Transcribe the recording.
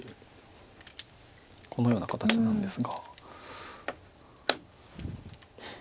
このような形なんですが。